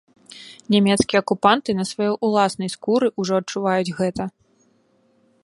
Нямецкія акупанты на сваёй уласнай скуры ўжо адчуваюць гэта.